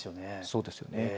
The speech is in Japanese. そうですよね。